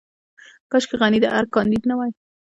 کاشکې غني د ارګ کانديد نه وای.